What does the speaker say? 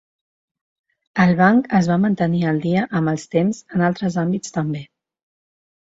El banc es va mantenir al dia amb els temps en altres àmbits també.